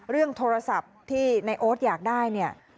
เรื่องโทรศัพท์ที่ในโอ๊ตอยากได้เนี่ย